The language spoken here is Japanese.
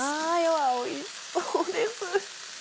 おいしそうです。